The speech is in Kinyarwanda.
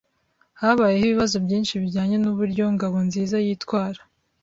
Habayeho ibibazo byinshi bijyanye nuburyo Ngabonzizayitwara.